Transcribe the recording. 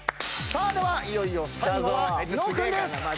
ではいよいよ最後は伊野尾君です。